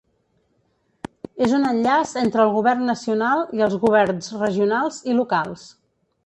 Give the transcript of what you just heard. És un enllaç entre el Govern Nacional, i els Governs Regionals i Locals.